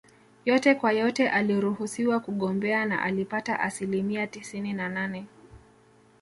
Yote kwa yote aliruhusiwa kugombea na alipata asilimia tisini na nane